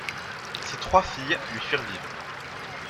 Ses trois filles lui survivent.